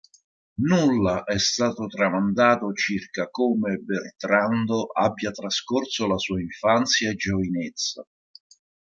Nulla è stato tramandato circa come Bertrando abbia trascorso la sua infanzia e giovinezza.